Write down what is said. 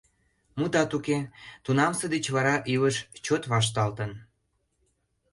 Мутат уке, тунамсе деч вара илыш чот вашталтын.